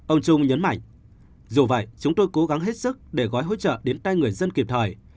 ông trung nhấn mạnh dù vậy chúng tôi cố gắng hết sức để gói hỗ trợ đến tay người dân kịp thời